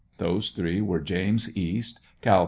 Those three were James East, Cal.